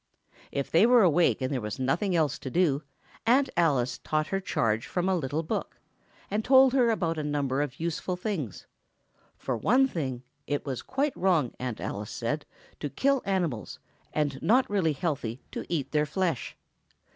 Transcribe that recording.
If they were awake and there was nothing else to do, Aunt Alice taught her charge from a little book, and told her about a number of useful things. For one thing, it was quite wrong. Aunt Alice said, to kill animals, and not really healthy to eat their flesh.